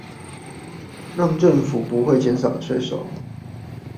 讓政府不會減少稅收